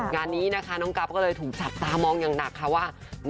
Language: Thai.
งานนี้นะคะน้องกัลฟเรายังจะถูกจัดตามองอย่างหนักค่ะว่า